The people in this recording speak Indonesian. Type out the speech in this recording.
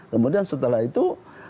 kemudian setelah itu